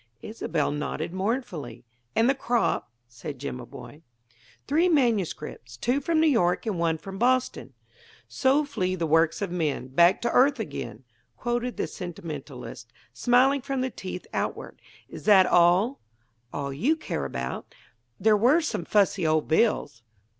Isobel nodded mournfully. "And the crop?" said Jimaboy. "Three manuscripts; two from New York and one from Boston." "'So flee the works of men Back to the earth again,'" quoted the sentimentalist, smiling from the teeth outward. "Is that all?" "All you would care about. There were some fussy old bills."